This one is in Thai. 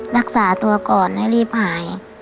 รักษาตัวก่อนให้รีบหาย